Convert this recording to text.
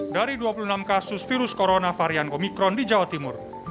dari dua puluh enam kasus virus corona varian omikron di jawa timur